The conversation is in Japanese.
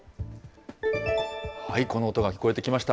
この音が聞こえてきました。